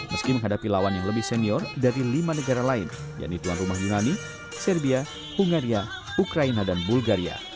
meski menghadapi lawan yang lebih senior dari lima negara lain yaitu tuan rumah yunani serbia hungaria ukraina dan bulgaria